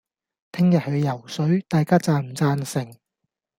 聽日去游水，大家贊唔贊成